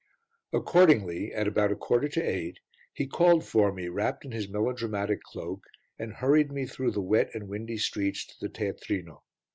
Accordingly, at about a quarter to eight, he called for me, wrapped in his melodramatic cloak, and hurried me through the wet and windy streets to the teatrino.